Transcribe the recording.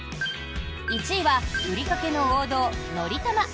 １位はふりかけの王道「のりたま」。